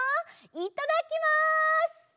いただきます！